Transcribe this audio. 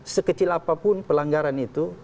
sekecil apapun pelanggaran itu